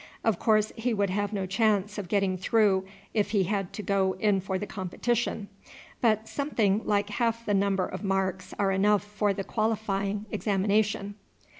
Of course he would have no chance of getting through if he had to go in for the competition; but something like half the number of marks are enough for the qualifying examination."